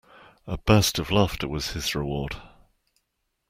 A burst of laughter was his reward.